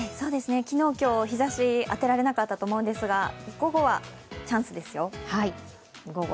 昨日、今日、日ざし当てられなかったと思いますが午後がチャンスですよ。